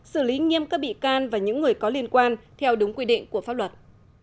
xử lý nghiêm các bị can và những người có liên quan theo đúng quy định của pháp luật